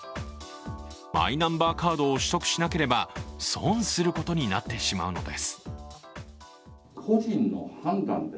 マイナンバーカードを取得しなければ損することになってしまうのです。